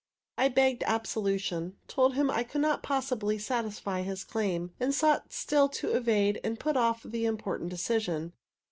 I begged absolution, told him that I could not possibly satisfy his claim, and sought still to evade and put off the important decision.